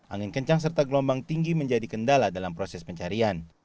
angin kencang serta gelombang tinggi menjadi kendala dalam proses pencarian